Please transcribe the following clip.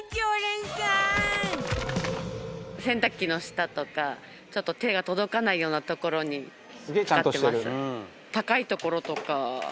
洗濯機の下とかちょっと手が届かないような所に使ってます。